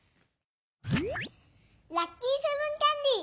ラッキーセブンキャンディー